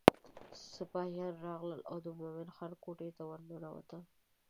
سپاهیان راغلل او د مومن خان کوټې ته ورننوته.